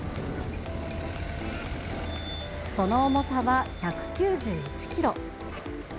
その重さは１９１キロ。